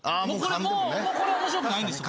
もうこれ面白くないんですよ。